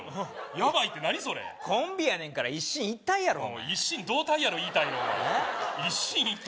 ヤバイって何それコンビやねんから一進一退やろ一心同体やろ言いたいのは一進一退？